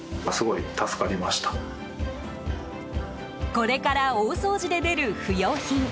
これから大掃除で出る不用品。